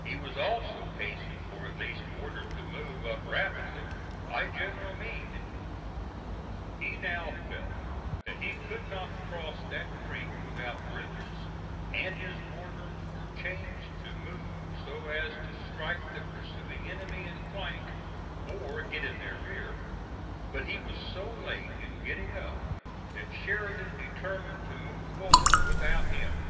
He was also hastened or at least ordered to move up rapidly by General Meade. He now felt that he could not cross that creek without bridges, and his orders were changed to move so as to strike the pursuing enemy in flank or get in their rear; but he was so late in getting up that Sheridan determined to move forward without him.